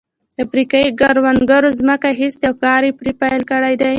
افریقايي کروندګرو ځمکه اخیستې او کار یې پرې پیل کړی دی.